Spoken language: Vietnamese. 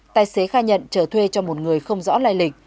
tài xế khai nhận trở thuê cho một người không rõ lai lịch